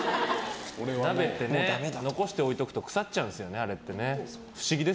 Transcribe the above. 鍋って、残しておいておくと腐っちゃうんですよね。